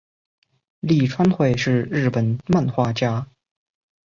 立川惠是日本漫画家。